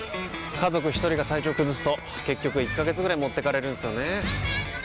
家族一人が体調崩すと結局１ヶ月ぐらい持ってかれるんすよねー。